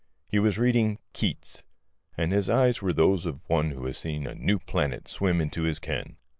He was reading Keats. And his eyes were those of one who has seen a new planet swim into his ken.